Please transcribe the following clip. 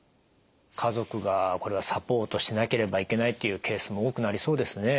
家族がこれはサポートしなければいけないっていうケースも多くなりそうですね。